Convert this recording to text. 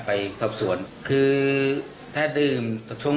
แต่ก็คิดว่าเป็นใครหรอก